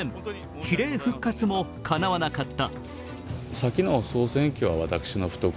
比例復活もかなわなかった。